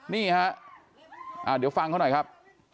นี่ฮะเดี๋ยวฟังเขาหน่อยครับ